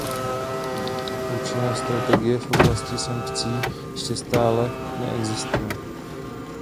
Účinná strategie v oblasti sankcí ještě stále neexistuje.